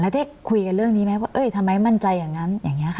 แล้วได้คุยกันเรื่องนี้ไหมว่าเอ้ยทำไมมั่นใจอย่างนั้นอย่างนี้ค่ะ